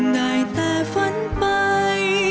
ได้แต่ฝันไป